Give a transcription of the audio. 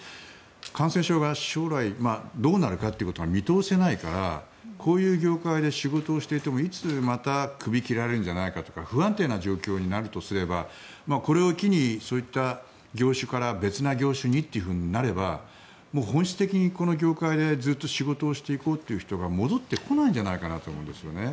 感染症が将来、どうなるかが見通せないからこういう業界で仕事をしていてもいつまたクビを切られるんじゃないかとか不安定な状況になるとすればこれを機に、そういった業種から別な業種にとなれば本質的にこの業界でずっと仕事をしていこうという人が戻ってこないんじゃないかと思うんです。